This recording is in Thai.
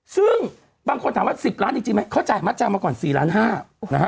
ซึ่งบางคนถามว่า๑๐ล้านจริงไหมเขาจ่ายมัดจำมาก่อน๔ล้าน๕นะฮะ